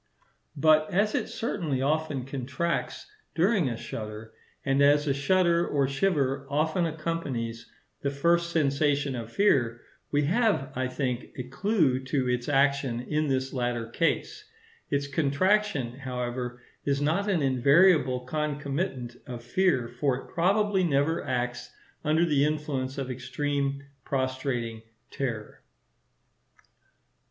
But as it certainly often contracts during a shudder; and as a shudder or shiver often accompanies the first sensation of fear, we have, I think, a clue to its action in this latter case. Its contraction, however, is not an invariable concomitant of fear; for it probably never acts under the influence of extreme, prostrating terror.